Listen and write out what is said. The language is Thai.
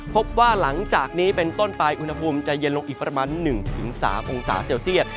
พบว่าหลังจากนี้เป็นต้นไปอุณหภูมิจะเย็นลงอีกประมาณ๑๓องศาเซลเซียต